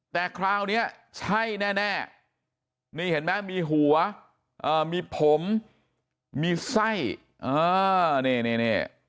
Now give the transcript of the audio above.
แต่คราวนี้ใช่แน่นี่เห็นไหมมีหัวมีผมมีไส้นี่